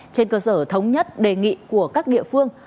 trên cơ sở thống nhất đề nghị của các địa phương